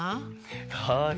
はい。